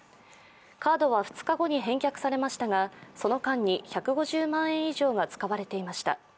カードは２日後に返却されましたがその間に、１５０万円以上が使われていました。